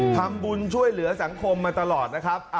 ทำบุญช่วยเหลือสังคมมาตลอดนะครับ